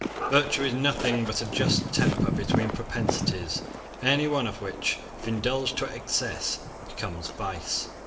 Virtue is nothing but a just temper between propensities any one of which, if indulged to excess, becomes vice.